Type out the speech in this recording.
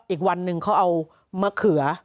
อีกวันหนึ่งเขาเอามะเขือ